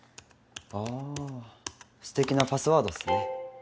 あすてきなパスワードっすね。